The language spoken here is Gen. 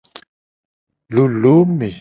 Lolome.